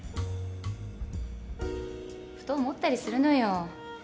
ふと思ったりするのよ。